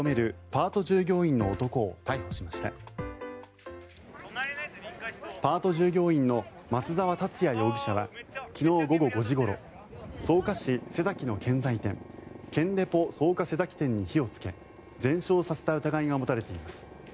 パート従業員の松沢達也容疑者は昨日午後５時ごろ草加市瀬崎の建材店建デポ草加瀬崎店に火をつけ全焼させた疑いが持たれています。